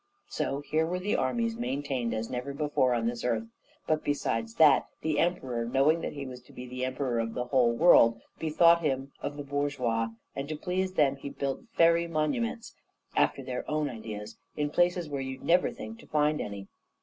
So here were the armies maintained as never before on this earth. But besides that, the Emperor, knowing that he was to be the emperor of the whole world, bethought him of the bourgeois, and to please them he built fairy monuments, after their own ideas, in places where you'd never think to find any.